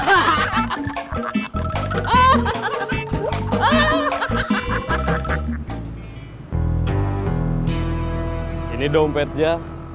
yang ini dompetnya